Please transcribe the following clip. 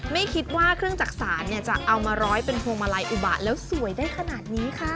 ไม่คิดว่าเครื่องจักษานจะเอามาร้อยเป็นพวงมาลัยอุบะแล้วสวยได้ขนาดนี้ค่ะ